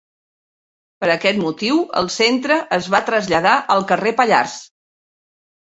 Per aquest motiu el Centre es va traslladar al carrer Pallars.